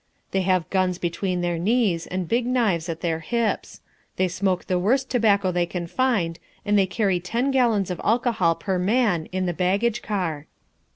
They have guns between their knees and big knives at their hips. They smoke the worst tobacco they can find, and they carry ten gallons of alcohol per man in the baggage car.